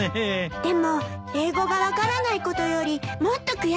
でも英語が分からないことよりもっと悔しいことがあったの。